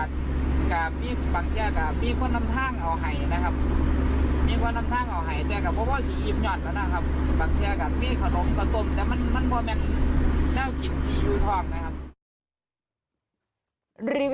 หล่อ